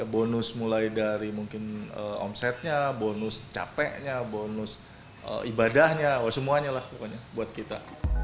bonus mulai dari mungkin omsetnya bonus capeknya bonus ibadahnya semuanya lah pokoknya buat kita